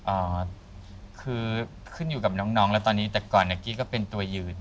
อ่าคือขึ้นอยู่กับน้องน้องแล้วตอนนี้แต่ก่อนเนี่ยกี้ก็เป็นตัวยืน